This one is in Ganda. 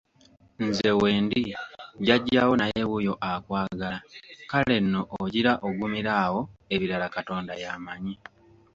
Nze wendi, Jjajjaawo naye wuuyo akwagala kale nno ogira ogumira awo ebirala Katonda y'amanyi.